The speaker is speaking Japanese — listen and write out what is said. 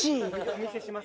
お見せします